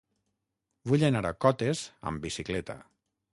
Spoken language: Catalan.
Vull anar a Cotes amb bicicleta.